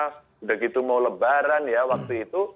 sudah gitu mau lebaran ya waktu itu